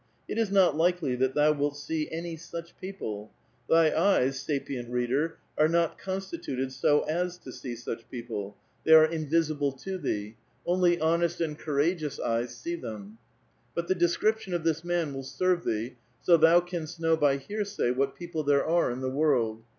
It is not likely that thou wilt see any such people ; thy eyes, sapient reader, are not constituted so as to see such people ; they are invisible A VITAL QUESTION. 291 to thee ; only honest and courageous e^'es see them ; but the description of this man will serve thee, so thou canst know by hearsay what people there are in the world.